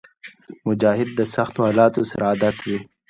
مجاهد د سختو حالاتو سره عادت وي.